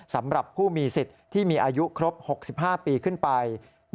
สำหรับผู้มีสิทธิ์ที่มีอายุครบ๖๕ปีขึ้นไป